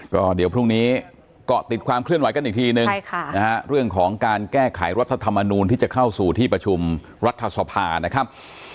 ก็เดี๋ยวพรุ่งนี้เกาะติดความเคลื่อนไหวกันอีกทีนึงเรื่องของการแก้ไขรัฐธรรมนูลที่จะเข้าสู่ที่ประชุมรัฐสภานะครับ